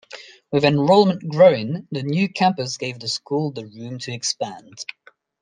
With enrollment growing, the new campus gave the school the room to expand.